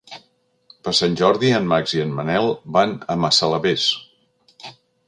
Per Sant Jordi en Max i en Manel van a Massalavés.